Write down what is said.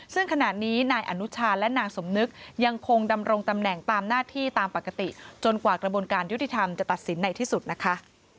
ซึ่งขณะนี้นายอนุชาและนางสมนึกยังคงดำรงตำแหน่งตามหน้าที่ตามปกติจนกว่ากระบวนการยุติธรรมจะตัดสินในที่สุดนะคะ